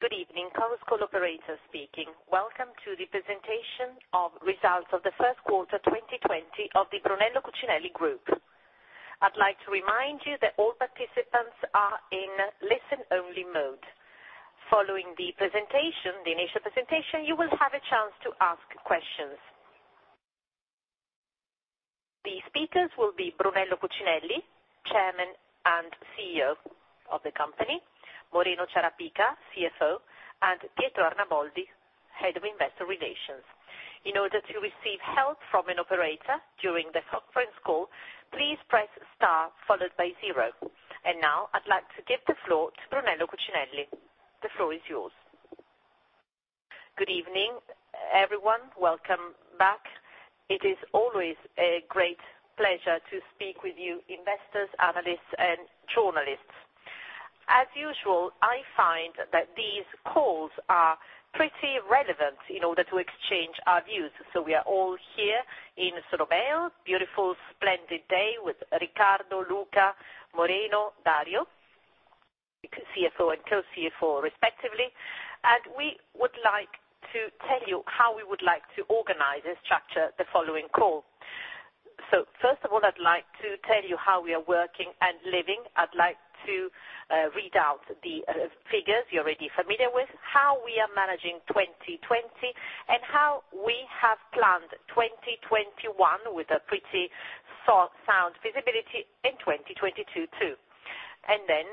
Good evening, conference call operator speaking. Welcome to the presentation of results of the first quarter 2020 of the Brunello Cucinelli Group. I'd like to remind you that all participants are in listen-only mode. Following the initial presentation, you will have a chance to ask questions. The speakers will be Brunello Cucinelli, chairman and CEO of the company, Moreno Ciarapica, CFO, and Pietro Arnaboldi, head of investor relations. In order to receive help from an operator during the conference call, please press star followed by zero. Now I'd like to give the floor to Brunello Cucinelli. The floor is yours. Good evening, everyone. Welcome back. It is always a great pleasure to speak with you investors, analysts, and journalists. As usual, I find that these calls are pretty relevant in order to exchange our views. We are all here in Solomeo, beautiful, splendid day with Riccardo, Luca, Moreno, Dario, CFO, and co-CFO respectively, and we would like to tell you how we would like to organize and structure the following call. First of all, I'd like to tell you how we are working and living. I'd like to read out the figures you're already familiar with, how we are managing 2020, and how we have planned 2021 with a pretty sound feasibility in 2022, too. Then,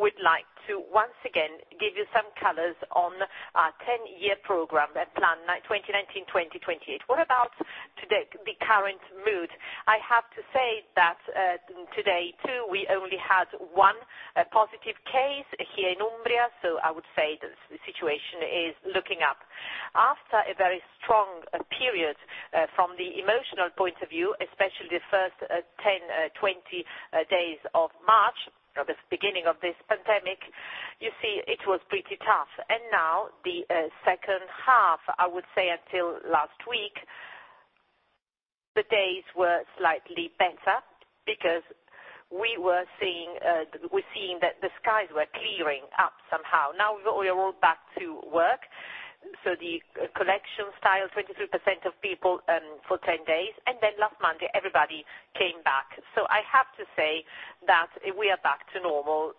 we'd like to once again give you some colors on our 10-year program plan, 2019-2028. What about today, the current mood? I have to say that, today too, we only had one positive case here in Umbria, so I would say the situation is looking up. After a very strong period from the emotional point of view, especially the first 10, 20 days of March, the beginning of this pandemic, you see, it was pretty tough. Now the second half, I would say until last week, the days were slightly better because we are seeing that the skies were clearing up somehow. Now we are all back to work, the collection style, 23% of people for 10 days. Then last Monday, everybody came back. I have to say that we are back to normal.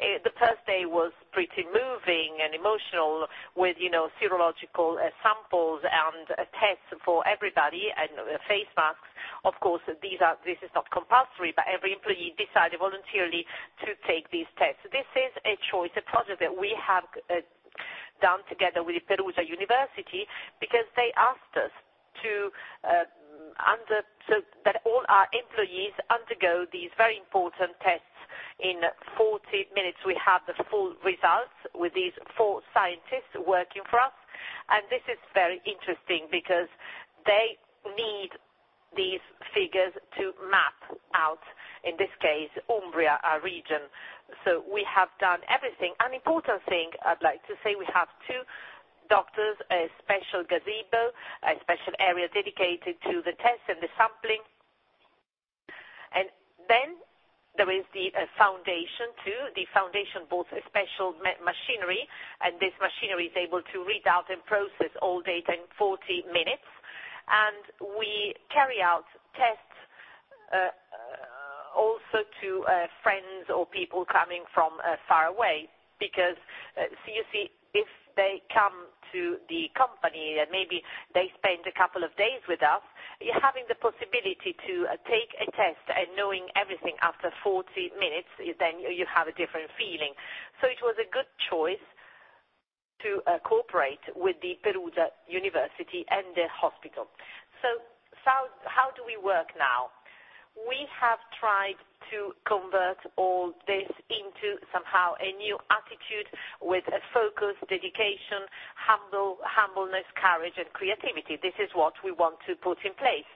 The first day was pretty moving and emotional with serological samples and tests for everybody. Face masks. Of course, this is not compulsory, every employee decided voluntarily to take these tests. This is a choice, a project that we have done together with Perugia University because they asked us that all our employees undergo these very important tests. In 40 minutes, we have the full results with these four scientists working for us. This is very interesting because they need these figures to map out, in this case, Umbria, our region. We have done everything. An important thing I'd like to say, we have two doctors, a special gazebo, a special area dedicated to the test and the sampling. Then there is the foundation too. The foundation bought a special machinery, and this machinery is able to read out and process all data in 40 minutes. We carry out tests, also to friends or people coming from far away, because, you see, if they come to the company and maybe they spend a couple of days with us, having the possibility to take a test and knowing everything after 40 minutes, then you have a different feeling. It was a good choice to cooperate with the Perugia University and the hospital. How do we work now? We have tried to convert all this into somehow a new attitude with a focus, dedication, humbleness, courage, and creativity. This is what we want to put in place.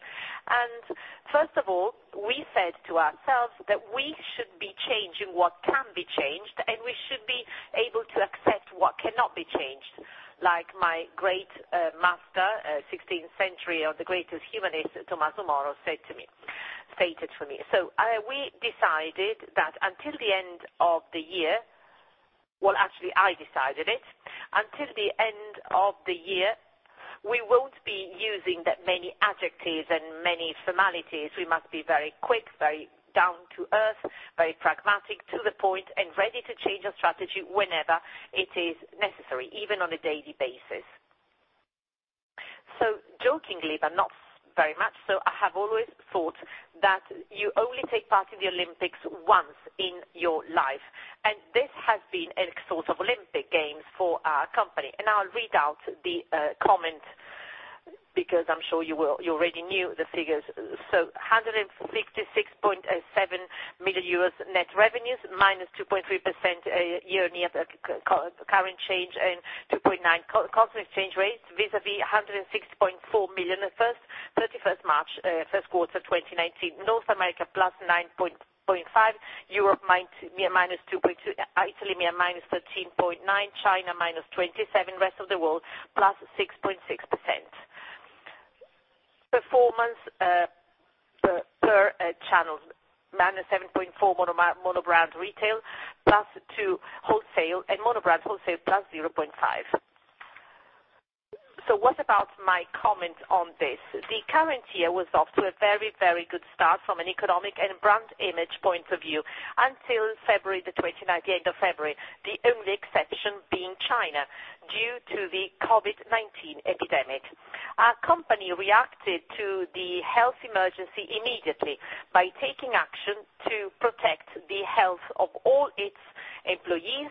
First of all, we said to ourselves that we should be changing what can be changed, and we should be able to accept what cannot be changed. Like my great master, 16th century, or the greatest humanist, Tommaso Moro stated for me. We decided that until the end of the year. Actually, I decided it. Until the end of the year, we won't be using that many adjectives and many formalities. We must be very quick, very down to earth, very pragmatic, to the point, and ready to change our strategy whenever it is necessary, even on a daily basis. Jokingly, but not very much so, I have always thought that you only take part in the Olympic Games once in your life, and this has been a sort of Olympic Games for our company. I'll read out the comment because I'm sure you already knew the figures. 156.7 million euros net revenues, -2.3% year-on-year. Current change in 2.9% constant exchange rates vis-à-vis 106.4 million at 31st March, first quarter 2019. North America, +9.5%. Europe, -2.2%. Italy, -13.9%. China, -27%. Rest of the world, +6.6%. Performance per channels. -7.4% monobrand retail, +2% wholesale, and monobrand wholesale +0.5%. What about my comment on this? The current year was off to a very, very good start from an economic and brand image point of view until the end of February, the only exception being China due to the COVID-19 epidemic. Our company reacted to the health emergency immediately by taking action to protect the health of all its employees,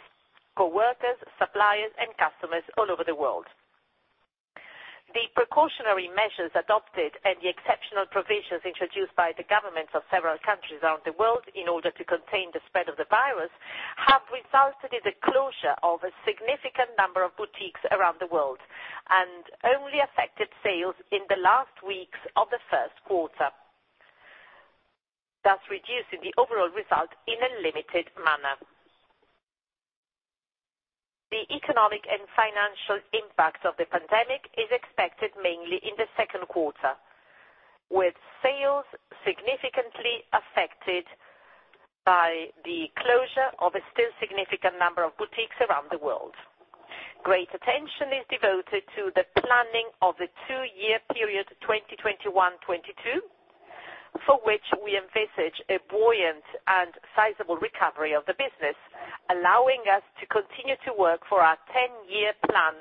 coworkers, suppliers, and customers all over the world. The precautionary measures adopted and the exceptional provisions introduced by the governments of several countries around the world in order to contain the spread of the virus, have resulted in the closure of a significant number of boutiques around the world, and only affected sales in the last weeks of the first quarter, thus reducing the overall result in a limited manner. The economic and financial impact of the pandemic is expected mainly in the second quarter, with sales significantly affected by the closure of a still significant number of boutiques around the world. Great attention is devoted to the planning of the two-year period 2021, 2022, for which we envisage a buoyant and sizable recovery of the business, allowing us to continue to work for our 10-year plan,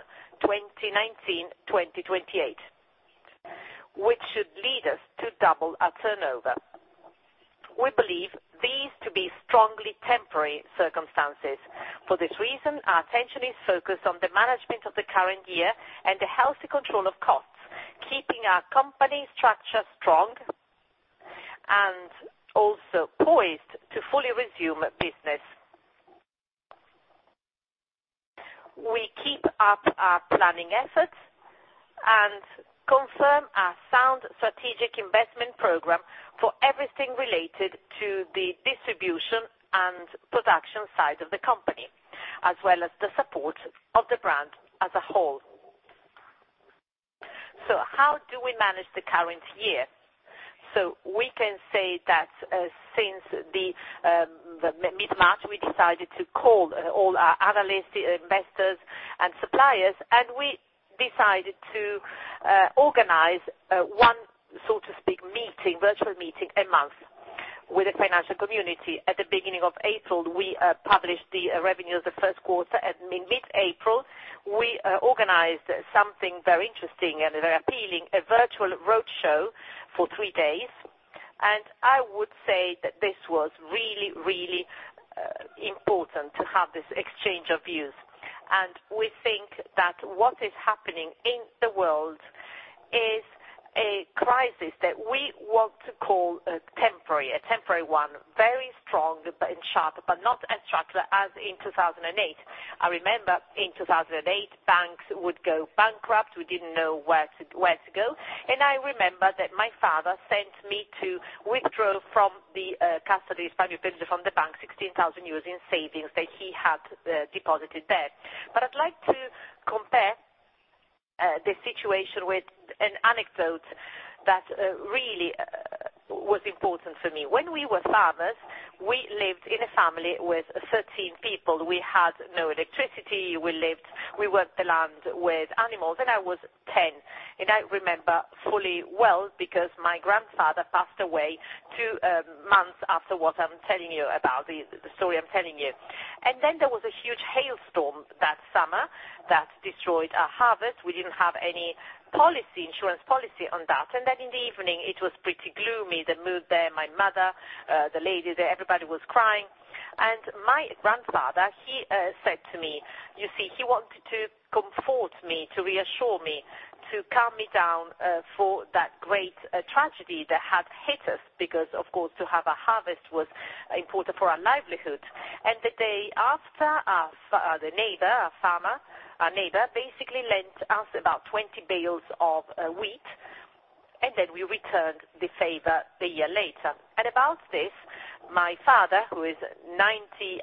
2019, 2028, which should lead us to double our turnover. We believe these to be strongly temporary circumstances. For this reason, our attention is focused on the management of the current year and the healthy control of costs, keeping our company structure strong and also poised to fully resume business. We keep up our planning efforts and confirm our sound strategic investment program for everything related to the distribution and production side of the company, as well as the support of the brand as a whole. How do we manage the current year? We can say that since mid-March, we decided to call all our analysts, investors, and suppliers, and we decided to organize one, so to speak, virtual meeting a month with the financial community. At the beginning of April, we published the revenue of the first quarter, and in mid-April. We organized something very interesting and very appealing, a virtual roadshow for three days. I would say that this was really important to have this exchange of views. We think that what is happening in the world is a crisis that we want to call temporary, a temporary one. Very strong and sharp, but not as sharp as in 2008. I remember in 2008, banks would go bankrupt. We didn't know where to go. I remember that my father sent me to withdraw from the custody, from the bank, 16,000 euros in savings that he had deposited there. I'd like to compare the situation with an anecdote that really was important for me. When we were farmers, we lived in a family with 13 people. We had no electricity. We worked the land with animals, and I was 10. I remember fully well because my grandfather passed away two months after what I'm telling you about, the story I'm telling you. There was a huge hailstorm that summer that destroyed our harvest. We didn't have any insurance policy on that. In the evening, it was pretty gloomy, the mood there. My mother, the lady there, everybody was crying. My grandfather, he said to me, you see, he wanted to comfort me, to reassure me, to calm me down for that great tragedy that had hit us, because, of course, to have a harvest was important for our livelihood. The day after, the neighbor, a farmer, basically lent us about 20 bales of wheat, and then we returned the favor a year later. About this, my father, who is 98,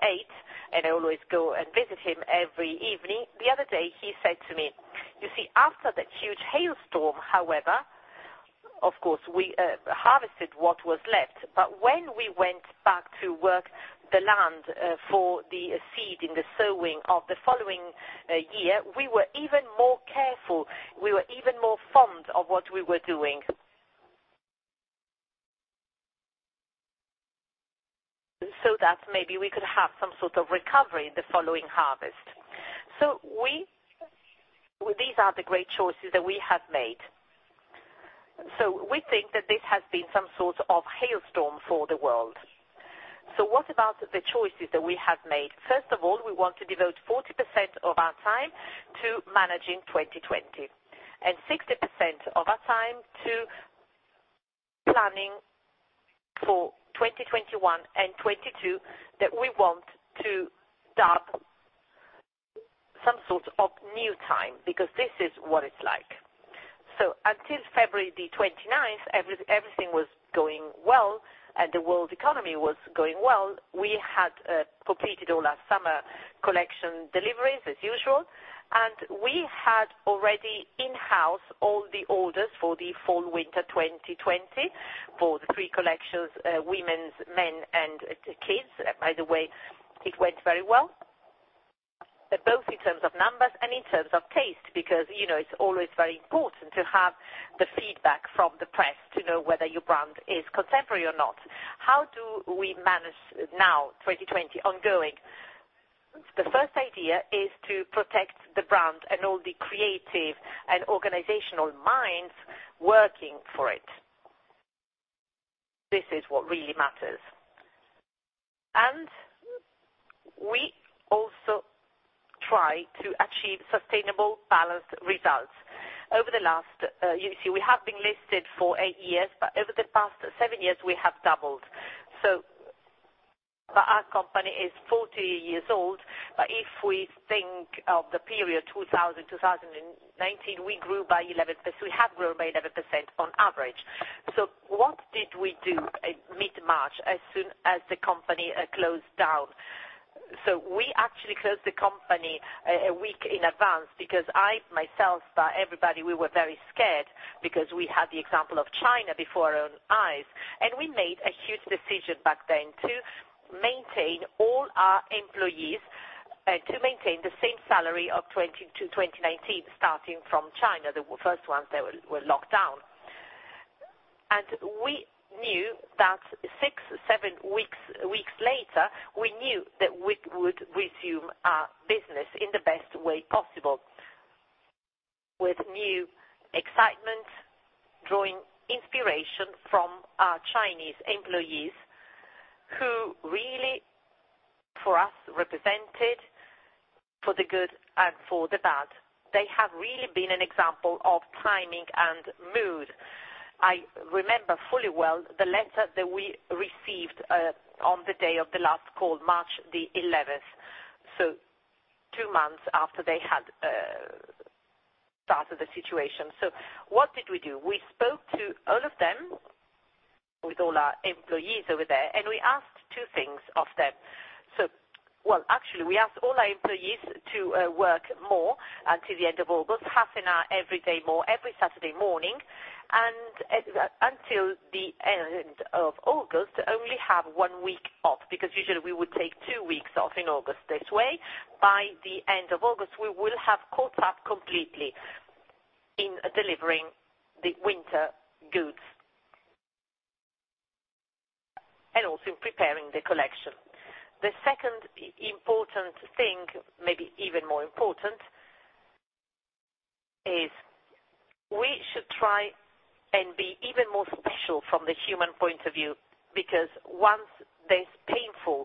and I always go and visit him every evening, the other day, he said to me, you see, after that huge hailstorm, however, of course, we harvested what was left. When we went back to work the land for the seed and the sowing of the following year, we were even more careful. We were even more fond of what we were doing so that maybe we could have some sort of recovery the following harvest. These are the great choices that we have made. We think that this has been some sort of hailstorm for the world. What about the choices that we have made? First of all, we want to devote 40% of our time to managing 2020, and 60% of our time to planning for 2021 and 2022 that we want to double some sort of new time, because this is what it's like. Until February the 29th, everything was going well, and the world economy was going well. We had completed all our summer collection deliveries as usual, and we had already in-house all the orders for the fall/winter 2020 for the three collections, women's, men, and kids. By the way, it went very well, both in terms of numbers and in terms of taste, because it's always very important to have the feedback from the press to know whether your brand is contemporary or not. How do we manage now, 2020 ongoing? The first idea is to protect the brand and all the creative and organizational minds working for it. This is what really matters. We also try to achieve sustainable, balanced results. We have been listed for eight years, over the past seven years, we have doubled. Our company is 40 years old, if we think of the period 2000, 2019, we have grown by 11% on average. What did we do mid-March, as soon as the company closed down? We actually closed the company a week in advance because I, myself, everybody, we were very scared because we had the example of China before our own eyes. We made a huge decision back then to maintain all our employees, to maintain the same salary of 2019, starting from China, the first ones that were locked down. We knew that six, seven weeks later, we knew that we would resume our business in the best way possible. With new excitement, drawing inspiration from our Chinese employees, who really, for us, represented, for the good and for the bad. They have really been an example of timing and mood. I remember fully well the letter that we received on the day of the last call, March the 11th, so two months after they had started the situation. What did we do? We spoke to all of them, with all our employees over there, and we asked two things of them. Well, actually, we asked all our employees to work more until the end of August, half an hour every day more, every Saturday morning, and until the end of August, only have one week off, because usually we would take two weeks off in August. This way, by the end of August, we will have caught up completely in delivering the winter goods, and also in preparing the collection. The second important thing, maybe even more important, is we should try and be even more special from the human point of view, because once this painful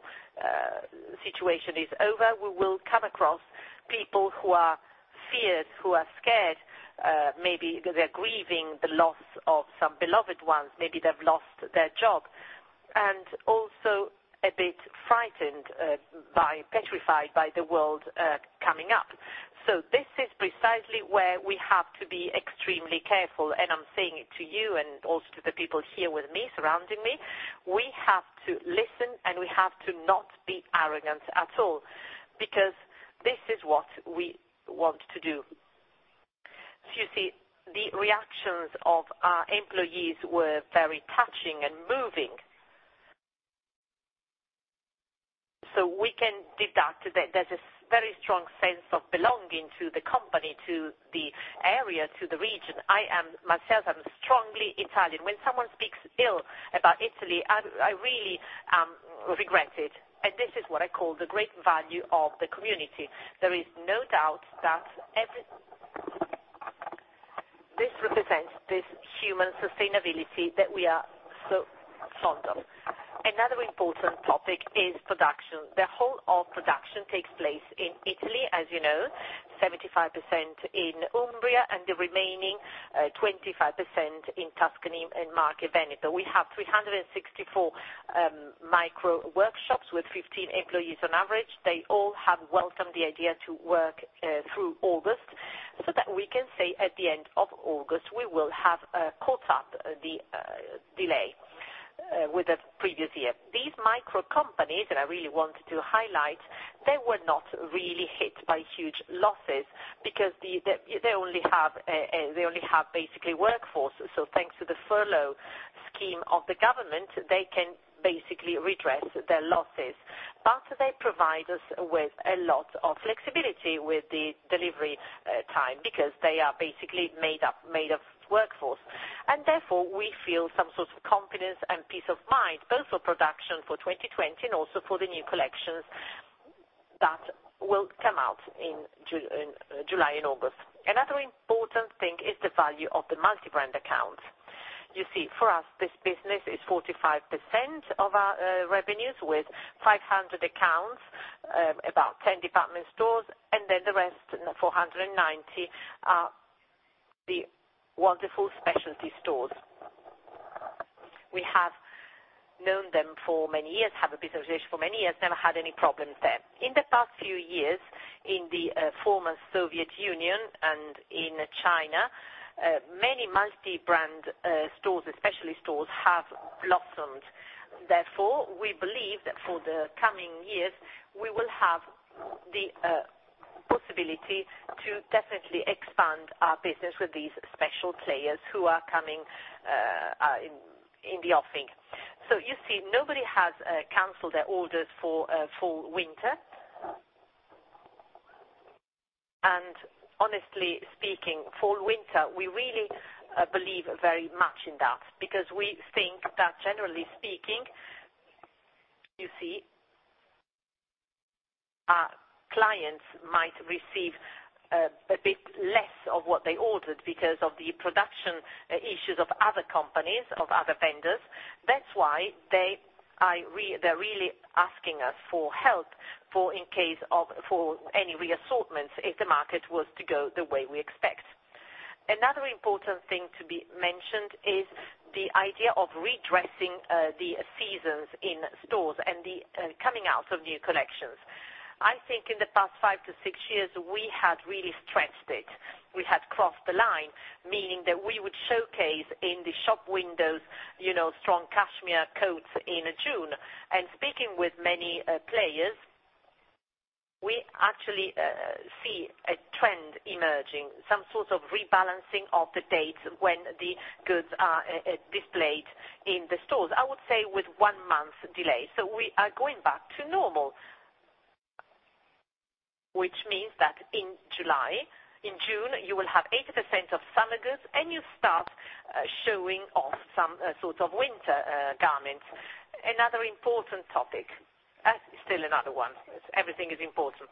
situation is over, we will come across people who are feared, who are scared, maybe because they're grieving the loss of some beloved ones, maybe they've lost their job, and also a bit frightened, petrified by the world coming up. This is precisely where we have to be extremely careful. I'm saying it to you and also to the people here with me, surrounding me. We have to listen, and we have to not be arrogant at all, because this is what we want to do. You see, the reactions of our employees were very touching and moving. We can deduct that there's a very strong sense of belonging to the company, to the area, to the region. Myself, I'm strongly Italian. When someone speaks ill about Italy, I really regret it. This is what I call the great value of the community. There is no doubt that this represents this human sustainability that we are so fond of. Another important topic is production. The whole of production takes place in Italy, as you know, 75% in Umbria, and the remaining 25% in Tuscany and Marche. We have 364 micro workshops with 15 employees on average. They all have welcomed the idea to work through August, so that we can say at the end of August, we will have caught up the delay with the previous year. These micro companies, and I really want to highlight, they were not really hit by huge losses because they only have, basically, workforce. Thanks to the furlough scheme of the government, they can basically redress their losses. They provide us with a lot of flexibility with the delivery time because they are basically made of workforce. Therefore, we feel some sort of confidence and peace of mind, both for production for 2020 and also for the new collections that will come out in July and August. Another important thing is the value of the multi-brand account. You see, for us, this business is 45% of our revenues, with 500 accounts, about 10 department stores, and then the rest, 490, are the wonderful specialty stores. We have known them for many years, have a business relationship for many years, never had any problems there. In the past few years, in the former Soviet Union and in China, many multi-brand stores, especially stores, have blossomed. Therefore, we believe that for the coming years, we will have the possibility to definitely expand our business with these special players who are coming in the offing. You see, nobody has canceled their orders for fall/winter. Honestly speaking, fall/winter, we really believe very much in that, because we think that generally speaking, you see, our clients might receive a bit less of what they ordered because of the production issues of other companies, of other vendors. That's why they're really asking us for help for any reassortment if the market was to go the way we expect. Another important thing to be mentioned is the idea of redressing the seasons in stores and the coming out of new collections. I think in the past five to six years, we had really stretched it. We had crossed the line, meaning that we would showcase in the shop windows, strong cashmere coats in June. Speaking with many players, we actually see a trend emerging, some sort of rebalancing of the dates when the goods are displayed in the stores, I would say with one month delay. We are going back to normal, which means that in June, you will have 80% of summer goods and you start showing off some sort of winter garments. Another important topic. Still another one. Everything is important.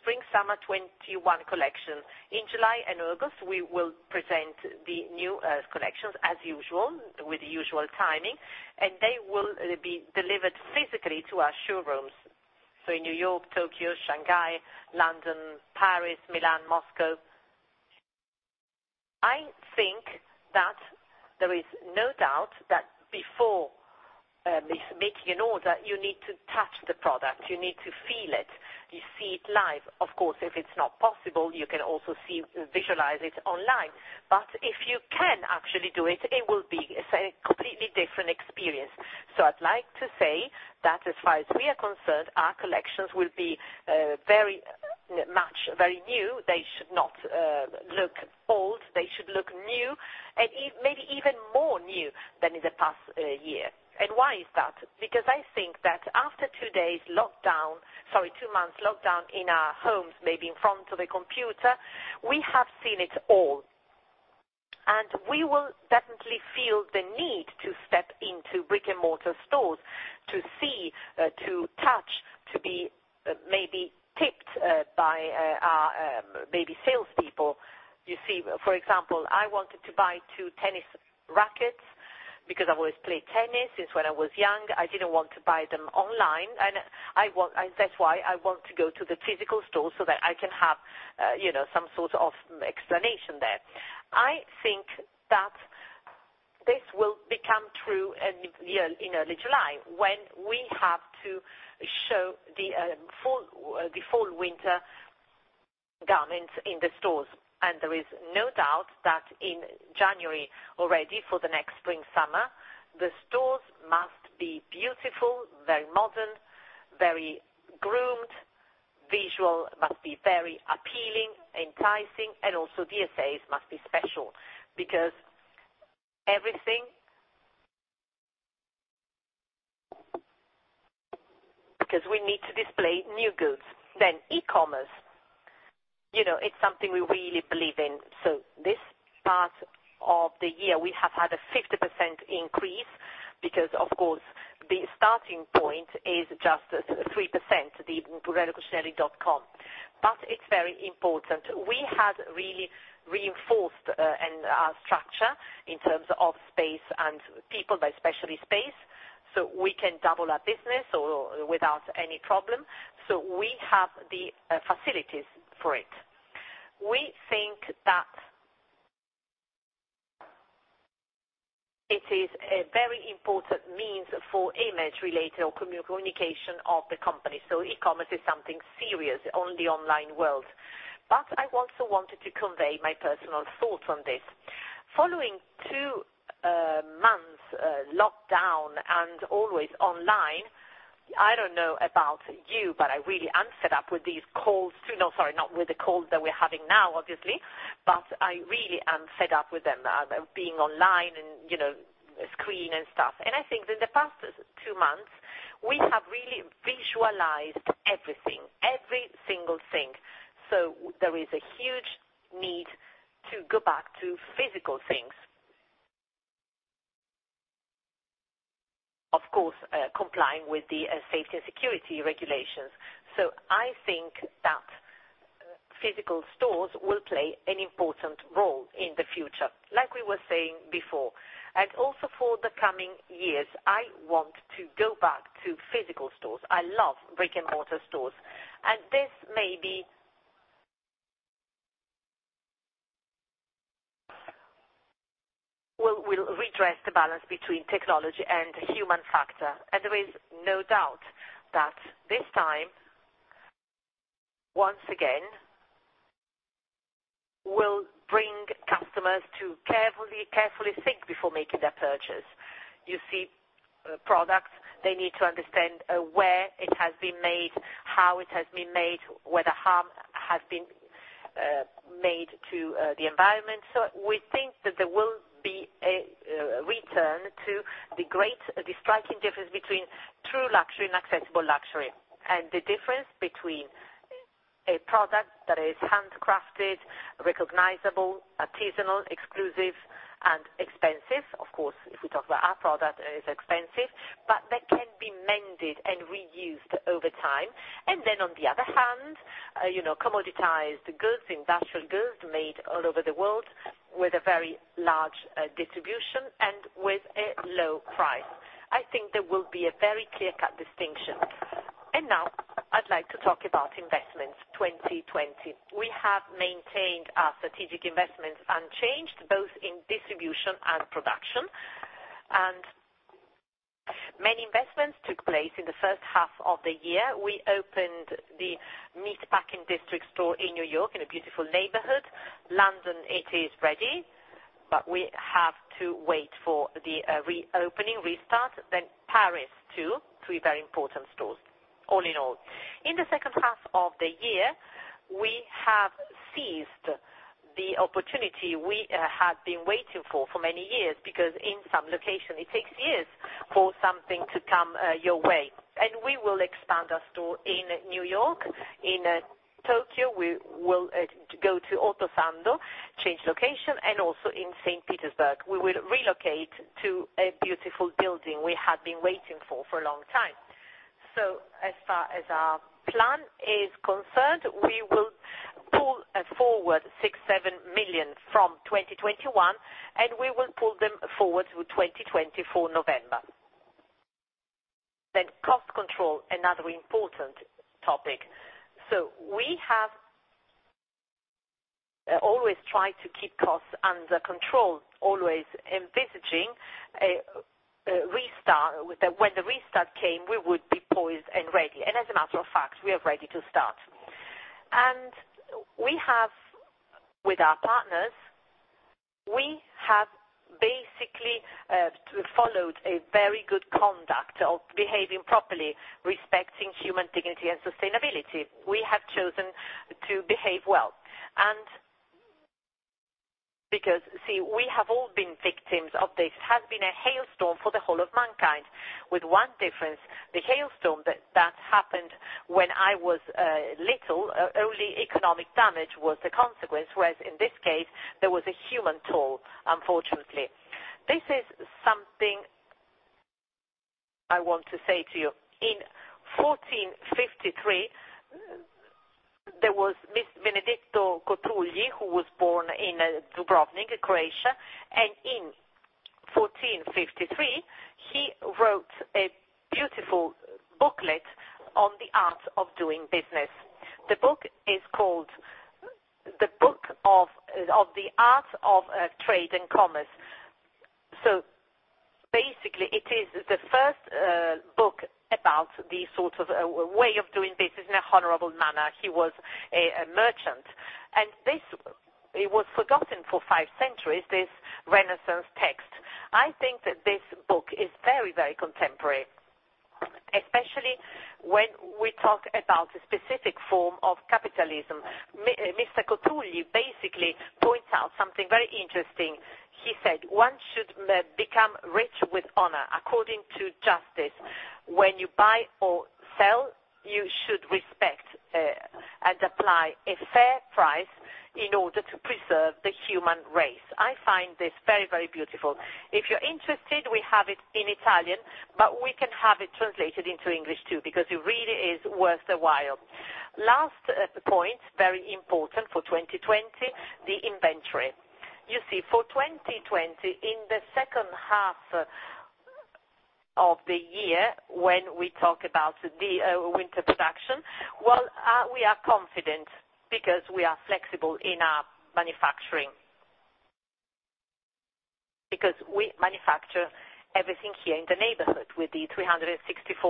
Spring/Summer 2021 collection. In July and August, we will present the new collections as usual, with the usual timing, and they will be delivered physically to our showrooms. New York, Tokyo, Shanghai, London, Paris, Milan, Moscow. I think that there is no doubt that before making an order, you need to touch the product. You need to feel it. You see it live. Of course, if it's not possible, you can also visualize it online. If you can actually do it will be a completely different experience. I'd like to say that as far as we are concerned, our collections will be very much, very new. They should not look old. They should look new, maybe even more new than in the past year. Why is that? Because I think that after two months lockdown in our homes, maybe in front of the computer, we have seen it all. We will definitely feel the need to step into brick-and-mortar stores to see, to touch, to be maybe tipped by salespeople. You see, for example, I wanted to buy two tennis rackets because I've always played tennis since when I was young. I didn't want to buy them online. That's why I want to go to the physical store so that I can have some sort of explanation there. I think that this will become true in early July when we have to show the fall/winter garments in the stores. There is no doubt that in January, already for the next spring/summer, the stores must be beautiful, very modern, very groomed. Visual must be very appealing, enticing, and also the displays must be special because we need to display new goods. e-commerce. It's something we really believe in. This part of the year, we have had a 50% increase because, of course, the starting point is just 3%, the brunellocucinelli.com. But it's very important. We have really reinforced in our structure in terms of space and people, but especially space. We can double our business without any problem. We have the facilities for it. We think that it is a very important means for image related or communication of the company. e-commerce is something serious on the online world. I also wanted to convey my personal thoughts on this. Following two months lockdown and always online, I don't know about you, but I really am fed up with these calls, too. Sorry, not with the calls that we're having now, obviously, but I really am fed up with them. Being online and screen and stuff. I think in the past two months, we have really visualized everything, every single thing. There is a huge need to go back to physical things. Of course, complying with the safety and security regulations. I think that physical stores will play an important role in the future. Like we were saying before, and also for the coming years, I want to go back to physical stores. I love brick-and-mortar stores, and this will redress the balance between technology and human factor. There is no doubt that this time, once again, will bring customers to carefully think before making their purchase. You see products they need to understand where it has been made, how it has been made, whether harm has been made to the environment. We think that there will be a return to the striking difference between true luxury and accessible luxury, and the difference between a product that is handcrafted, recognizable, artisanal, exclusive, and expensive. Of course, if we talk about our product, it is expensive, but that can be mended and reused over time. Then on the other hand, commoditized goods, industrial goods made all over the world with a very large distribution and with a low price. I think there will be a very clear-cut distinction. Now I'd like to talk about investments 2020. We have maintained our strategic investments unchanged, both in distribution and production. Many investments took place in the first half of the year. We opened the Meatpacking District store in New York, in a beautiful neighborhood. London, it is ready, but we have to wait for the reopening restart, then Paris, too. Three very important stores, all in all. In the second half of the year, we have seized the opportunity we had been waiting for many years, because in some locations it takes years for something to come your way. We will expand our store in New York in Tokyo, we will go to Omotesando, change location, and also in St. Petersburg. We will relocate to a beautiful building we had been waiting for a long time. As far as our plan is concerned, we will pull forward 6 million, 7 million from 2021, we will pull them forward to 2020 for November. Cost control, another important topic. We have always tried to keep costs under control, always envisaging when the restart came, we would be poised and ready. As a matter of fact, we are ready to start. With our partners, we have basically followed a very good conduct of behaving properly, respecting human dignity and sustainability. We have chosen to behave well. Because, see, we have all been victims of this. It has been a hailstorm for the whole of mankind, with one difference. The hailstorm that happened when I was little, only economic damage was the consequence, whereas in this case, there was a human toll, unfortunately. This is something I want to say to you. In 1453, there was Benedetto Cotrugli, who was born in Dubrovnik, Croatia, and in 1453, he wrote a beautiful booklet on the art of doing business. The book is called The Book of the Art of Trade and Commerce. Basically it is the first book about the way of doing business in an honorable manner. He was a merchant. It was forgotten for five centuries, this Renaissance text. I think that this book is very contemporary, especially when we talk about a specific form of capitalism. Mr. Cotrugli basically points out something very interesting. He said, one should become rich with honor according to justice. When you buy or sell, you should respect and apply a fair price in order to preserve the human race. I find this very beautiful. If you're interested, we have it in Italian, but we can have it translated into English, too, because it really is worth the while. Last point, very important for 2020, the inventory. You see, for 2020 in the second half of the year, when we talk about the winter production, well, we are confident because we are flexible in our manufacturing. We manufacture everything here in the neighborhood with the 364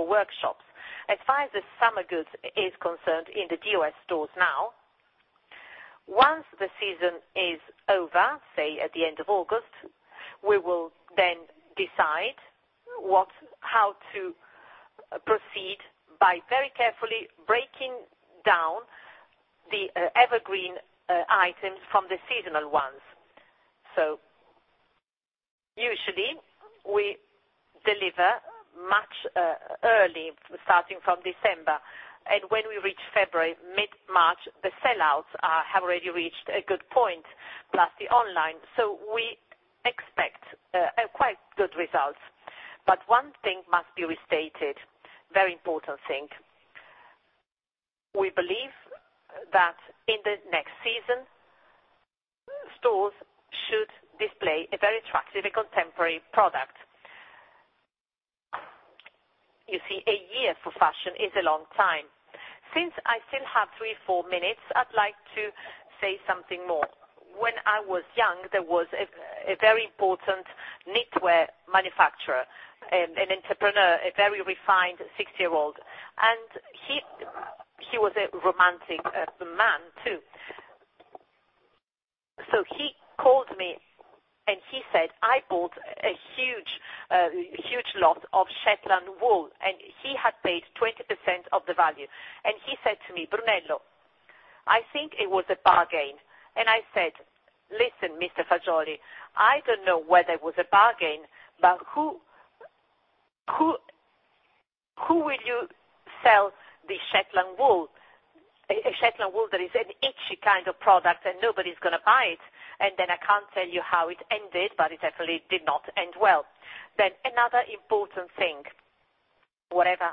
workshops. As far as the summer goods is concerned in the U.S. stores now. Once the season is over, at the end of August, we will decide how to proceed by very carefully breaking down the evergreen items from the seasonal ones. Usually we deliver much early, starting from December. When we reach February, mid-March, the sellouts have already reached a good point, plus the online. We expect quite good results. One thing must be restated, very important thing. We believe that in the next season, stores should display a very attractive and contemporary product. You see, a year for fashion is a long time. Since I still have three, four minutes, I'd like to say something more. When I was young, there was a very important knitwear manufacturer and an entrepreneur, a very refined 60-year-old. He was a romantic man, too. He called me and he said, I bought a huge lot of Shetland wool, and he had paid 20% of the value. He said to me, Brunello, I think it was a bargain. I said, listen, Mr. Fagioli, I don't know whether it was a bargain, but who will you sell the Shetland wool? A Shetland wool that is an itchy kind of product, and nobody's going to buy it. I can't tell you how it ended, but it actually did not end well. Another important thing. Whatever.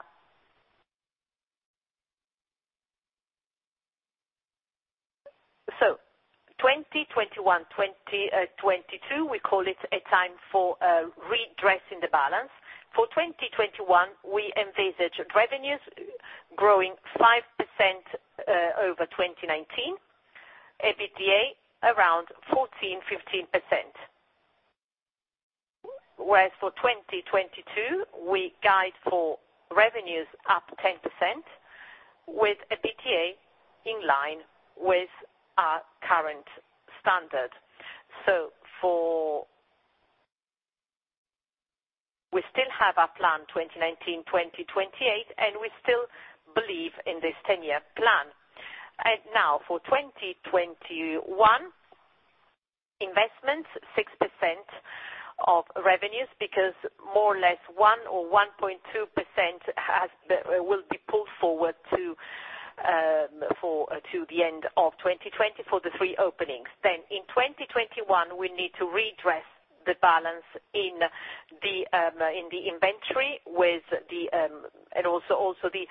2021, 2022, we call it a time for redressing the balance. For 2021, we envisage revenues growing 5% over 2019, EBITDA around 14%-15%. Whereas for 2022, we guide for revenues up 10% with EBITDA in line with our current standard. We still have our plan 2019-2028, and we still believe in this 10-year plan. Now, for 2021, investment 6% of revenues, because more or less 1% or 1.2% will be pulled forward to the end of 2020 for the three openings. In 2021, we need to redress the balance in the inventory, and also the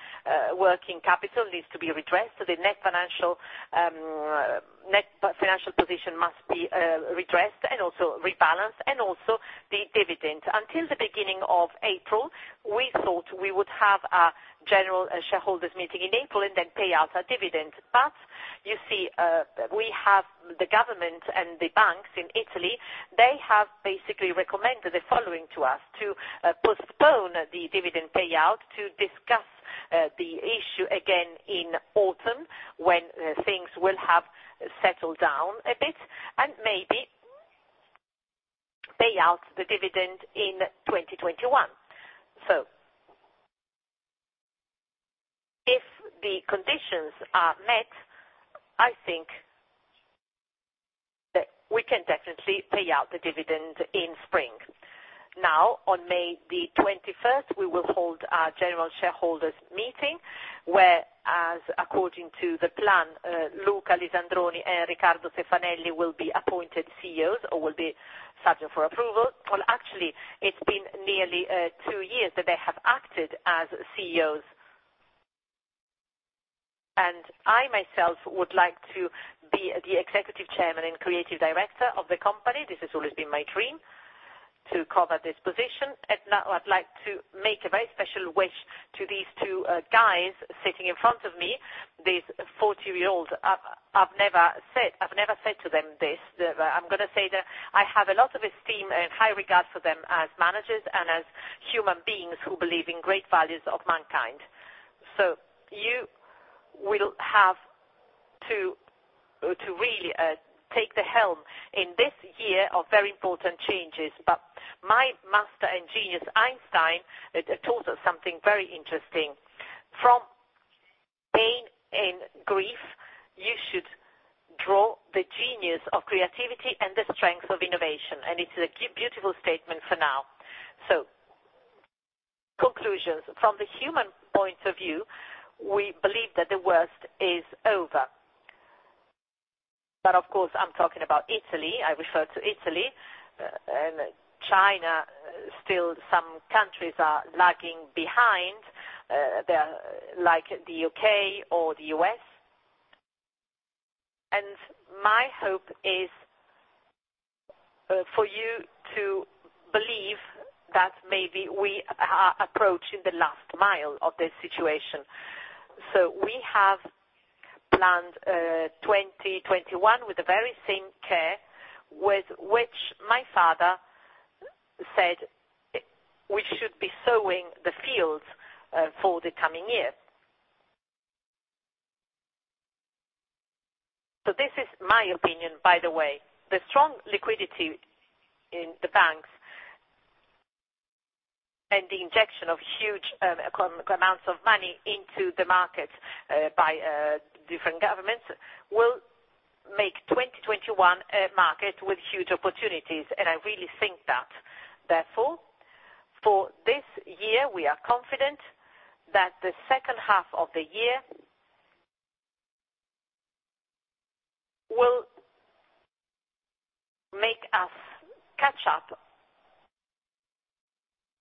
working capital needs to be redressed. The net financial position must be redressed and also rebalanced and also the dividend. Until the beginning of April, we thought we would have a general shareholders meeting in April and then pay out a dividend. You see, we have the government and the banks in Italy, they have basically recommended the following to us, to postpone the dividend payout, to discuss the issue again in autumn when things will have settled down a bit, and maybe pay out the dividend in 2021. If the conditions are met, I think that we can definitely pay out the dividend in spring. On May the 21st, we will hold our general shareholders meeting, where as according to the plan, Luca Lisandroni and Riccardo Stefanelli will be appointed CEOs or will be subject for approval. It's been nearly two years that they have acted as CEOs. I myself would like to be the Executive Chairman and Creative Director of the company. This has always been my dream to cover this position. Now I'd like to make a very special wish to these two guys sitting in front of me, these 40-year-olds. I've never said to them this, but I'm going to say that I have a lot of esteem and high regard for them as managers and as human beings who believe in great values of mankind. You will have to really take the helm in this year of very important changes. My master and genius, Einstein, taught us something very interesting. From pain and grief, you should draw the genius of creativity and the strength of innovation. It's a beautiful statement for now. Conclusions. From the human point of view, we believe that the worst is over. Of course, I'm talking about Italy, I refer to Italy and China. Still, some countries are lagging behind, like the U.K. or the U.S. My hope is for you to believe that maybe we are approaching the last mile of this situation. We have planned 2021 with the very same care with which my father said we should be sowing the fields for the coming year. This is my opinion, by the way. The strong liquidity in the banks and the injection of huge amounts of money into the market by different governments will make 2021 a market with huge opportunities, and I really think that. For this year, we are confident that the second half of the year will make us catch up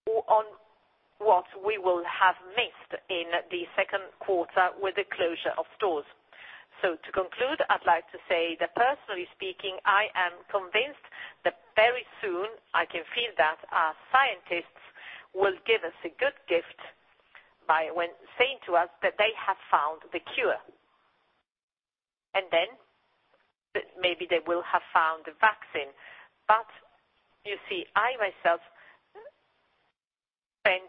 on what we will have missed in the second quarter with the closure of stores. To conclude, I'd like to say that personally speaking, I am convinced that very soon, I can feel that our scientists will give us a good gift by saying to us that they have found the cure. Maybe they will have found the vaccine. You see, I myself spent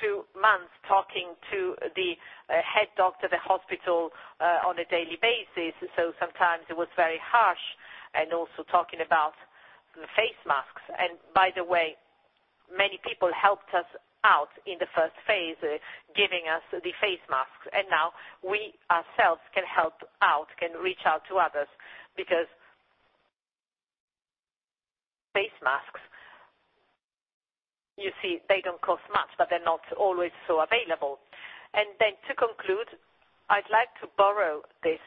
two months talking to the head doctor of the hospital on a daily basis. Sometimes it was very harsh, and also talking about the face masks. By the way, many people helped us out in the first phase, giving us the face masks. Now we ourselves can help out, can reach out to others, because face masks, you see, they don't cost much, but they're not always so available. To conclude, I'd like to borrow this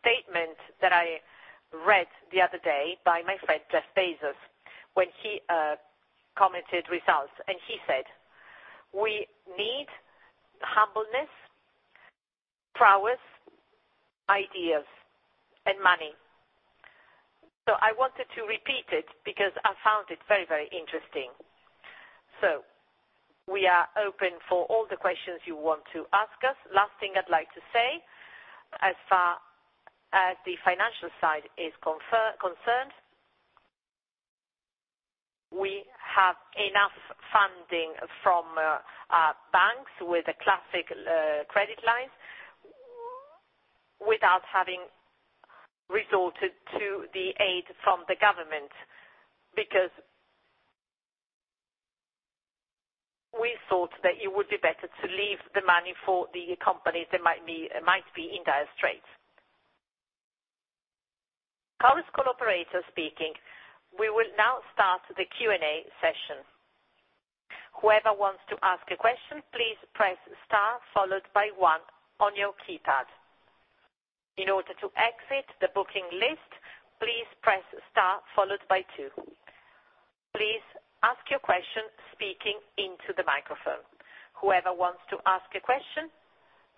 statement that I read the other day by my friend Jeff Bezos, when he commented results, and he said, We need humbleness, prowess, ideas, and money. I wanted to repeat it because I found it very, very interesting. We are open for all the questions you want to ask us. Last thing I'd like to say, as far as the financial side is concerned, we have enough funding from banks with a classic credit line without having resorted to the aid from the government, because we thought that it would be better to leave the money for the companies that might be in dire straits. Call's operator speaking. We will now start the Q&A session. Whoever wants to ask a question, please press star followed by one on your keypad. In order to exit the booking list, please press star followed by two. Please ask your question speaking into the microphone. Whoever wants to ask a question,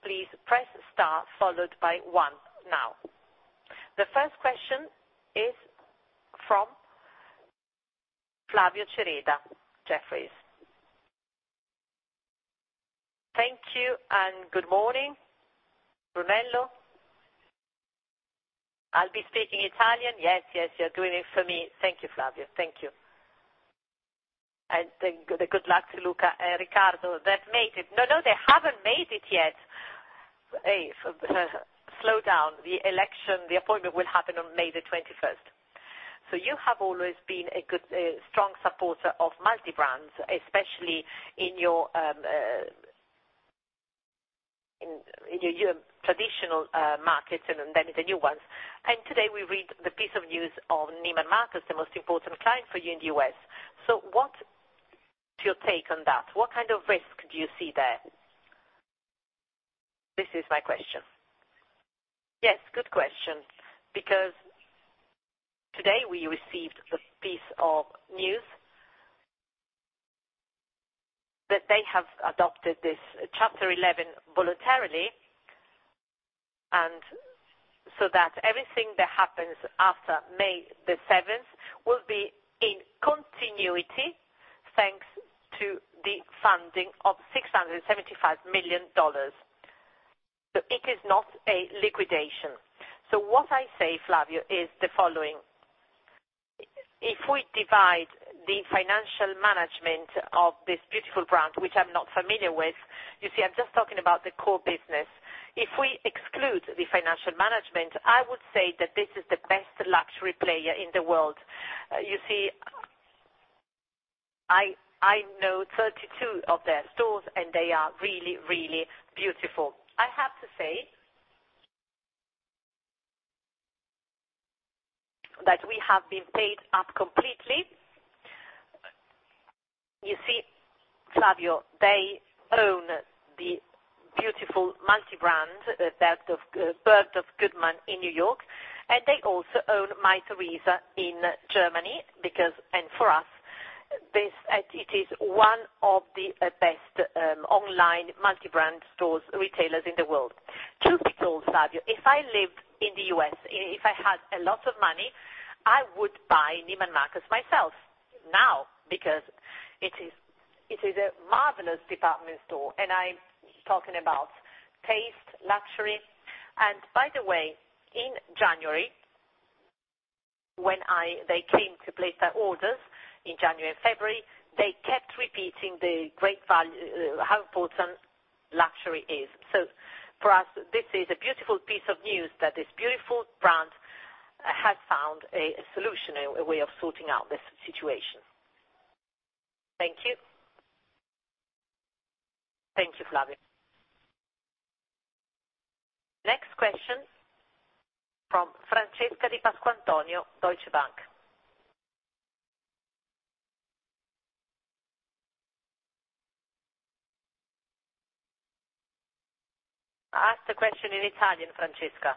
please press star followed by one now. The first question is from Flavio Cereda, Jefferies. Thank you. Good morning, Brunello. I'll be speaking Italian. Yes, yes, you're doing it for me. Thank you, Flavio. Thank you. Good luck to Luca and Riccardo. They've made it. No, they haven't made it yet. Slow down. The appointment will happen on May 21st. You have always been a strong supporter of multi-brands, especially in your traditional markets and then the new ones. Today we read the piece of news on Neiman Marcus, the most important client for you in the U.S. What's your take on that? What kind of risk do you see there? This is my question. Yes, good question. Today we received the piece of news that they have adopted this Chapter 11 voluntarily, everything that happens after May 7th will be in continuity, thanks to the funding of EUR 675 million. It is not a liquidation. What I say, Flavio, is the following. If we divide the financial management of this beautiful brand, which I'm not familiar with, you see, I'm just talking about the core business. If we exclude the financial management, I would say that this is the best luxury player in the world. You see, I know 32 of their stores, and they are really, really beautiful. I have to say that we have been paid up completely. You see, Flavio, they own the beautiful multi-brand, Bergdorf Goodman in New York, and they also own Mytheresa in Germany, and for us, it is one of the best online multi-brand stores, retailers in the world. Truth be told, Flavio, if I lived in the U.S., if I had a lot of money, I would buy Neiman Marcus myself now, because it is a marvelous department store, and I'm talking about taste, luxury. By the way, in January, when they came to place their orders in January and February, they kept repeating how important luxury is. For us, this is a beautiful piece of news that this beautiful brand has found a solution, a way of sorting out this situation. Thank you. Thank you, Flavio. Next question from Francesca Di Pasquantonio, Deutsche Bank. Ask the question in Italian, Francesca.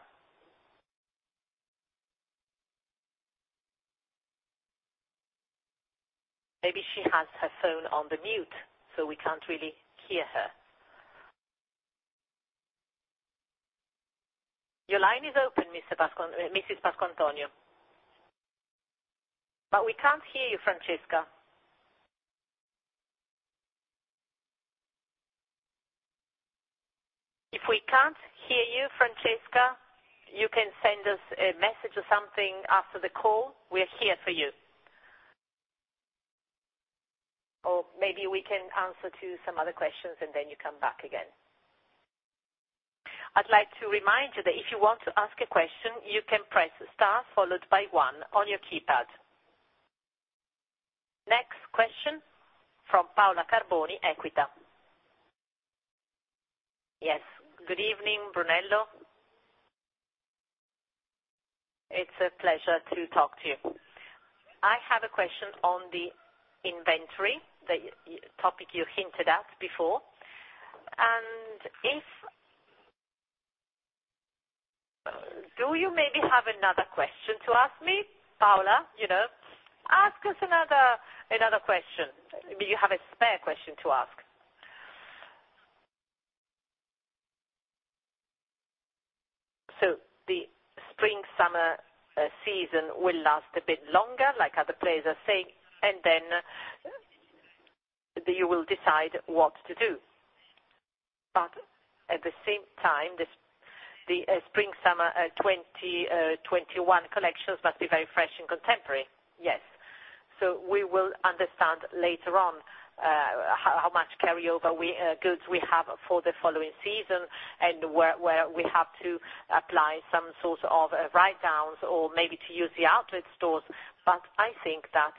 Maybe she has her phone on the mute, so we can't really hear her. Your line is open, Mrs. Pasquantonio. We can't hear you, Francesca. If we can't hear you, Francesca, you can send us a message or something after the call. We are here for you. Maybe we can answer to some other questions and then you come back again. I'd like to remind you that if you want to ask a question, you can press star followed by one on your keypad. Next question from Paola Carboni, Equita. Yes. Good evening, Brunello. It's a pleasure to talk to you. I have a question on the inventory, the topic you hinted at before. Do you maybe have another question to ask me, Paola? Ask us another question. Maybe you have a spare question to ask? The spring/summer season will last a bit longer, like other players are saying, and then you will decide what to do. At the same time, the spring/summer 2021 collections must be very fresh and contemporary. Yes. We will understand later on, how much carryover goods we have for the following season, and where we have to apply some sorts of write-downs or maybe to use the outlet stores. I think that,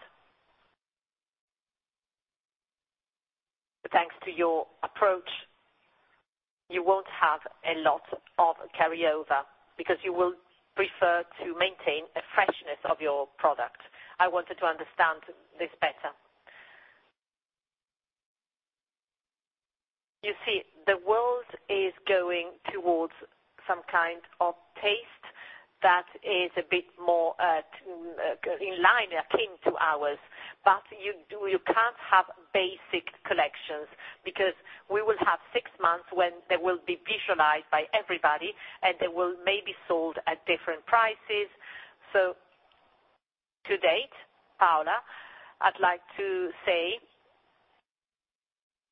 thanks to your approach, you won't have a lot of carryover because you will prefer to maintain a freshness of your product. I wanted to understand this better. The world is going towards some kind of taste that is a bit more in line, akin to ours. You can't have basic collections because we will have six months when they will be visualized by everybody, and they will may be sold at different prices. To date, Paola, I'd like to say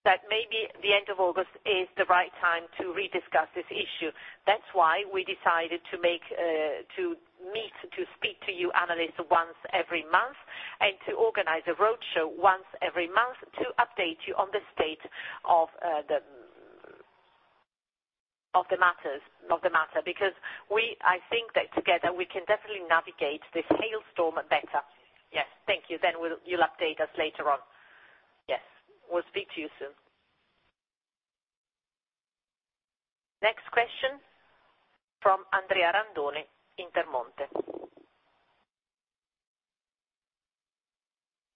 that maybe the end of August is the right time to re-discuss this issue. That's why we decided to meet, to speak to you analysts once every month, and to organize a roadshow once every month to update you on the state of the matter. I think that together, we can definitely navigate this hailstorm better. Yes. Thank you. You'll update us later on. Yes. We'll speak to you soon. Next question from Andrea Randone, Intermonte.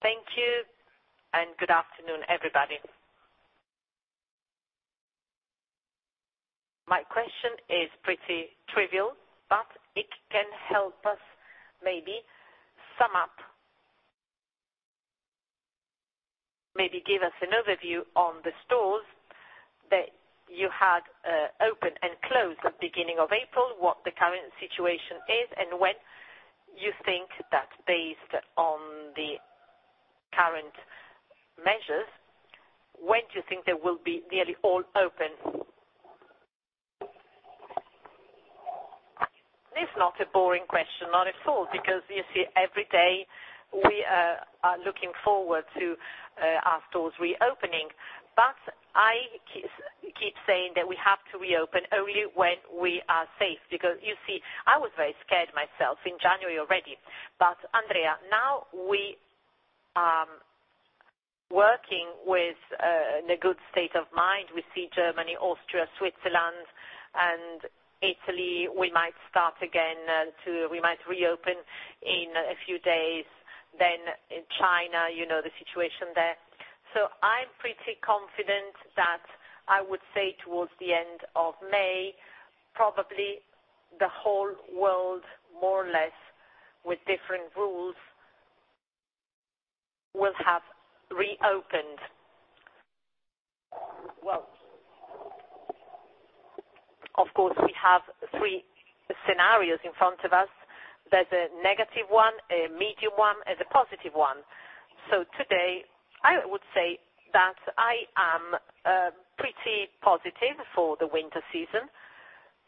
Thank you, and good afternoon, everybody. My question is pretty trivial, but it can help us maybe sum up. Maybe give us an overview on the stores that you had open and closed at beginning of April, what the current situation is, and based on the current measures, when do you think they will be nearly all open? It's not a boring question, not at all, because you see, every day we are looking forward to our stores reopening. I keep saying that we have to reopen only when we are safe. You see, I was very scared myself in January already. Andrea, now we are working with a good state of mind. We see Germany, Austria, Switzerland, and Italy, we might reopen in a few days. In China, you know the situation there. I'm pretty confident that I would say towards the end of May, probably the whole world, more or less, with different rules, will have reopened. Well. Of course, we have three scenarios in front of us. There's a negative one, a medium one, and a positive one. Today, I would say that I am pretty positive for the winter season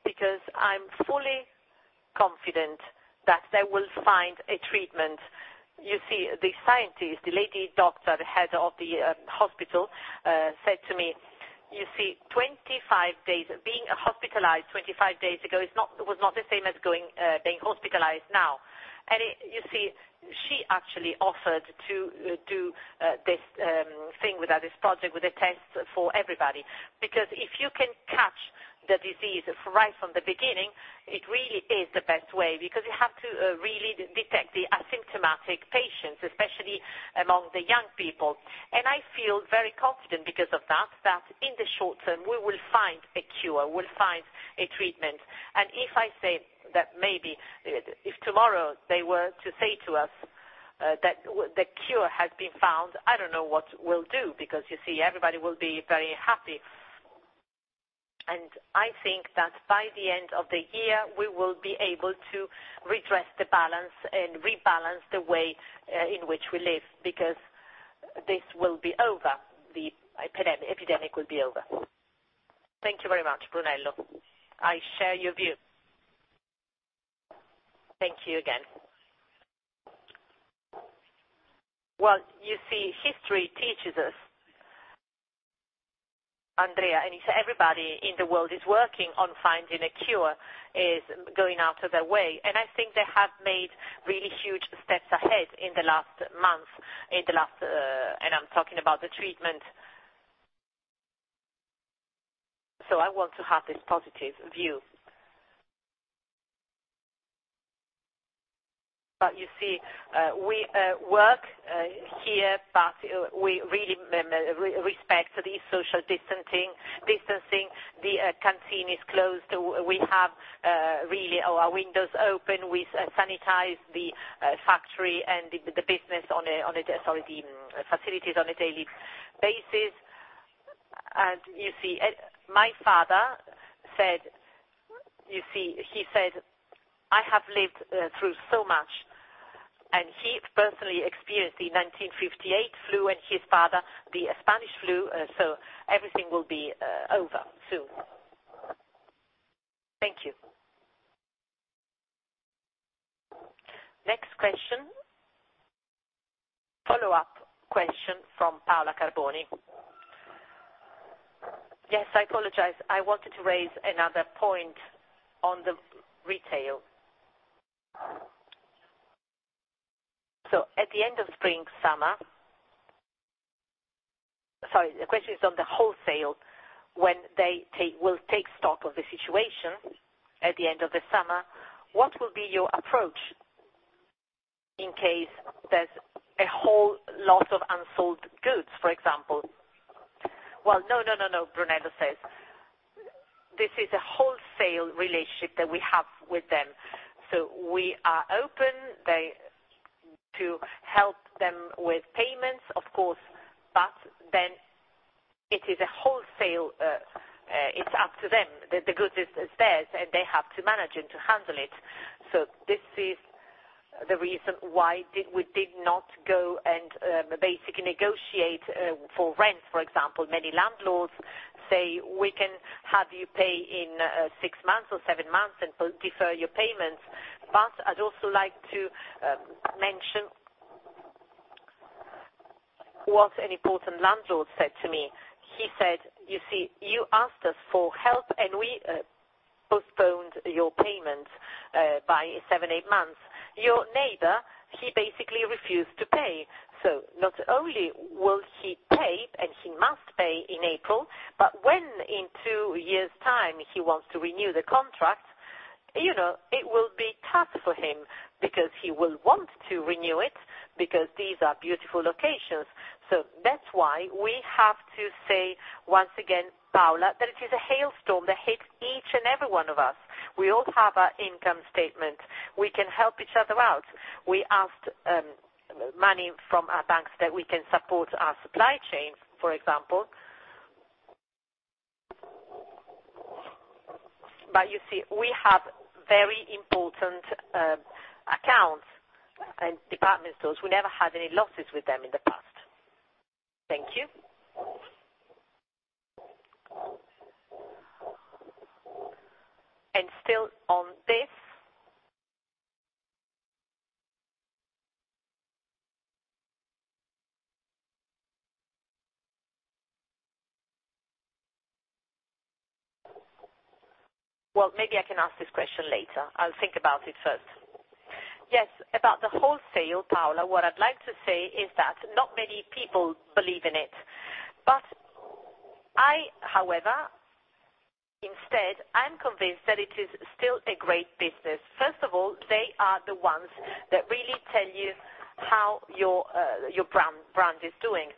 because I'm fully confident that they will find a treatment. You see, the scientist, the lady doctor, the head of the hospital, said to me, being hospitalized 25 days ago was not the same as being hospitalized now. She actually offered to do this thing with her, this project, with the tests for everybody. If you can catch the disease right from the beginning, it really is the best way, because you have to really detect the asymptomatic patients, especially among the young people. I feel very confident because of that in the short term, we will find a cure, we'll find a treatment. If tomorrow they were to say to us that the cure has been found, I don't know what we'll do, because everybody will be very happy. I think that by the end of the year, we will be able to redress the balance and rebalance the way in which we live, because this will be over, the epidemic will be over. Thank you very much, Brunello. I share your view. Thank you again. You see, history teaches us, Andrea, everybody in the world is working on finding a cure, is going out of their way. I think they have made really huge steps ahead in the last month, I'm talking about the treatment. I want to have this positive view. You see, we work here, we really respect the social distancing. The canteen is closed, we have our windows open. We sanitize the factory and the facilities on a daily basis. My father said, I have lived through so much, he personally experienced the 1958 flu, his father, the Spanish flu, everything will be over soon. Thank you. Next question. Follow-up question from Paola Carboni. Yes, I apologize. I wanted to raise another point on the retail. At the end of spring/summer Sorry, the question is on the wholesale. When they will take stock of the situation at the end of the summer, what will be your approach in case there's a whole lot of unsold goods, for example? No, Brunello says. This is a wholesale relationship that we have with them. We are open to help them with payments, of course, it is a wholesale, it's up to them. The good is theirs, they have to manage and to handle it. This is the reason why we did not go and basically negotiate for rent. For example, many landlords say, we can have you pay in six months or seven months and defer your payments. I'd also like to mention what an important landlord said to me. He said, you see, you asked us for help, and we postponed your payments by seven, eight months. Your neighbor, he basically refused to pay. Not only will he pay, and he must pay in April, but when in two years' time he wants to renew the contract, it will be tough for him because he will want to renew it, because these are beautiful locations. That's why we have to say, once again, Paola, that it is a hailstorm that hits each and every one of us. We all have an income statement. We can help each other out. We asked money from our banks that we can support our supply chain, for example. You see, we have very important accounts and department stores. We never had any losses with them in the past. Thank you. Still on this Well, maybe I can ask this question later. I'll think about it first. Yes, about the wholesale, Paola, what I'd like to say is that not many people believe in it, but I, however, instead, I'm convinced that it is still a great business. First of all, they are the ones that really tell you how your brand is doing.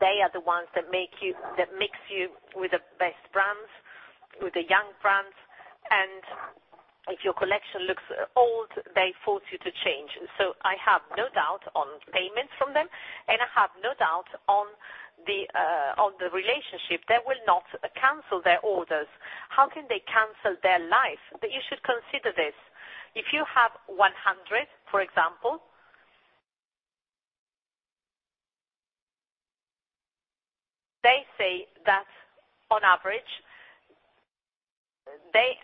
They are the ones that mix you with the best brands, with the young brands, and if your collection looks old, they force you to change. I have no doubt on payments from them, and I have no doubt on the relationship. They will not cancel their orders. How can they cancel their life? You should consider this, if you have 100, for example, they say that on average, they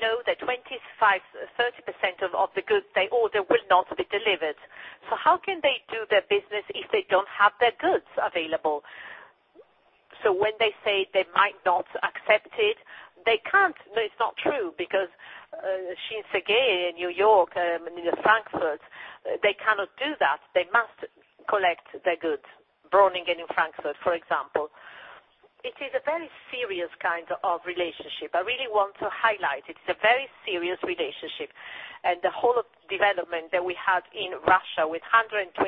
know that 25%-30% of the goods they order will not be delivered. How can they do their business if they don't have their goods available? When they say they might not accept it, they can't. No, it's not true, because Shinsegae in New York, in Frankfurt, they cannot do that. They must collect their goods. Breuninger in Frankfurt, for example. It is a very serious kind of relationship. I really want to highlight, it's a very serious relationship, and the whole development that we had in Russia with 125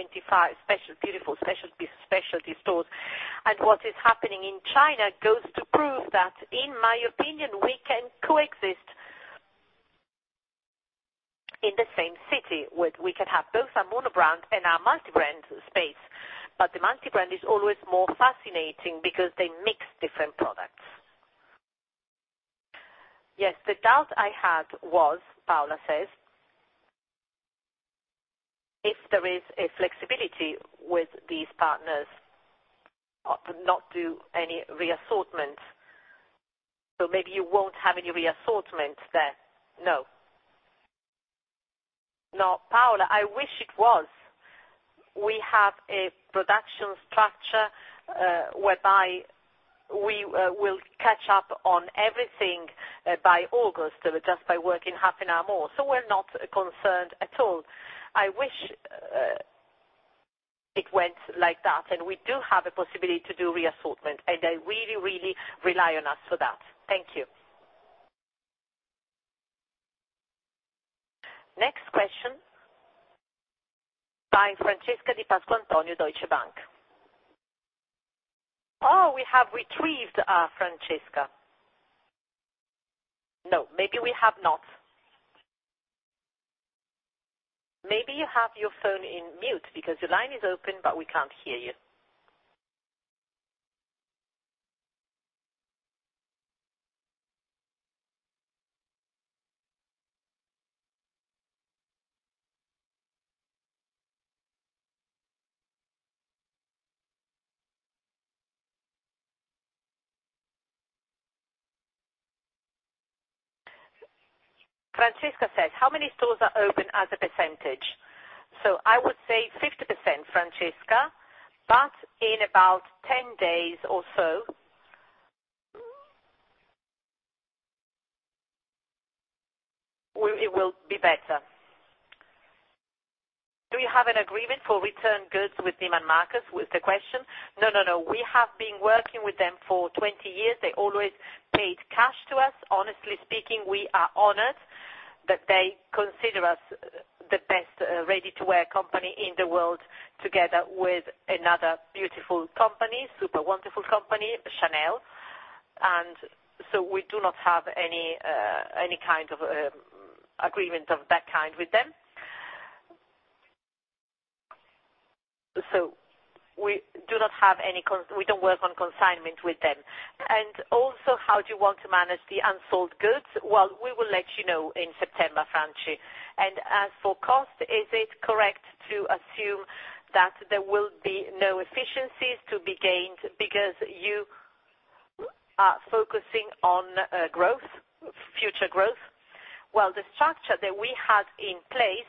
beautiful specialty stores. What is happening in China goes to prove that, in my opinion, we can coexist in the same city, we can have both a monobrand and a multi-brand space. The multi-brand is always more fascinating because they mix different products. Yes, the doubt I had was, Paola says, if there is a flexibility with these partners to not do any reassortment. Maybe you won't have any reassortment there. No. No, Paola, I wish it was. We have a production structure whereby we will catch up on everything by August, just by working half an hour more. We're not concerned at all. I wish it went like that, and we do have a possibility to do reassortment, and I really, really rely on us for that. Thank you. Next question by Francesca Di Pasquantonio, Deutsche Bank. Oh, we have retrieved Francesca. No, maybe we have not. Maybe you have your phone in mute because your line is open, but we can't hear you. Francesca says, how many stores are open as a percentage? I would say 50%, Francesca, but in about 10 days or so, it will be better. Do you have an agreement for return goods with Neiman Marcus? Was the question. No. We have been working with them for 20 years. They always paid cash to us. Honestly speaking, we are honored that they consider us the best ready-to-wear company in the world, together with another beautiful company, super wonderful company, Chanel. We do not have any kind of agreement of that kind with them. We don't work on consignment with them. How do you want to manage the unsold goods? Well, we will let you know in September, Francesca. As for cost, is it correct to assume that there will be no efficiencies to be gained because you are focusing on future growth? Well, the structure that we had in place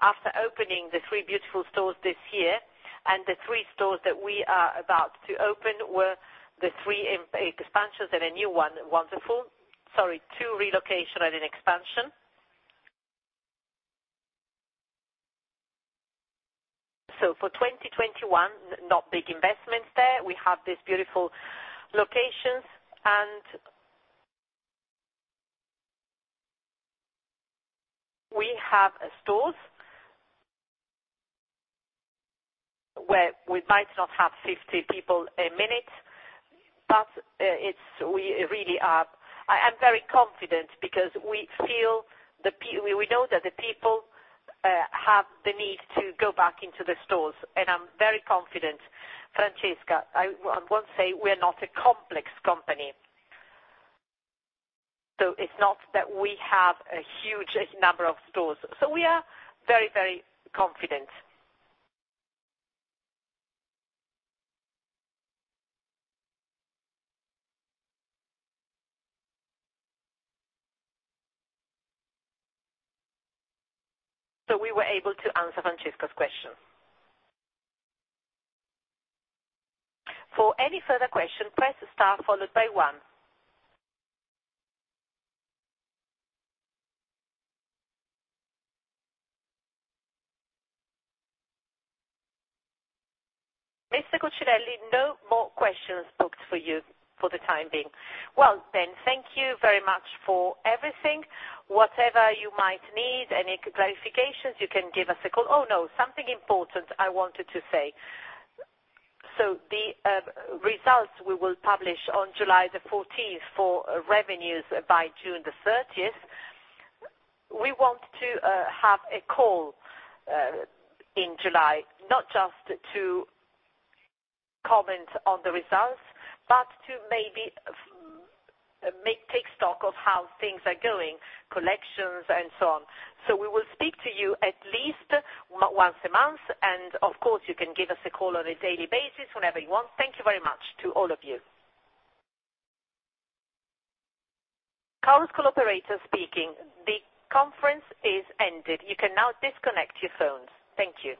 after opening the three beautiful stores this year and the three stores that we are about to open were the three expansions and a new one, wonderful. Sorry, two relocation and an expansion. For 2021, not big investments there. We have these beautiful locations, we have stores where we might not have 50 people a minute, I am very confident because we know that the people have the need to go back into the stores, I'm very confident, Francesca. I won't say we're not a complex company. It's not that we have a huge number of stores. We are very confident. We were able to answer Francesca's question. For any further question, press star followed by one. Mr. Cucinelli, no more questions booked for you for the time being. Thank you very much for everything. Whatever you might need, any clarifications, you can give us a call. Something important I wanted to say. The results we will publish on July 14th for revenues by June 30th. We want to have a call in July, not just to comment on the results, but to maybe take stock of how things are going, collections and so on. We will speak to you at least once a month, and of course, you can give us a call on a daily basis whenever you want. Thank you very much to all of you. Conference call operator speaking. The conference is ended. You can now disconnect your phones. Thank you.